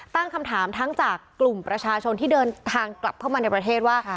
ตั้งคำถามทั้งจากกลุ่มประชาชนที่เดินทางกลับเข้ามาในประเทศว่า